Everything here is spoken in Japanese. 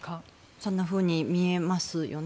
そんなふうに見えますよね。